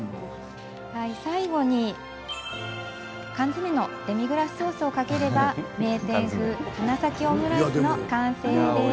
最後に缶詰のデミグラスソースをかければ名店風花咲きオムライスの完成です。